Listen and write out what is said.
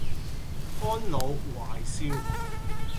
安老懷少